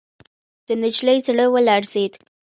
د نجلۍ زړه ولړزېد.